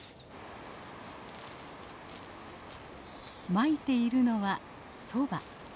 まいているのはソバ。